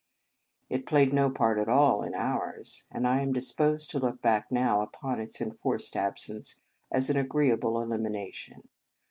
It played no part at all in ours, and I am disposed to look back now upon its enforced absence as an agree able elimination.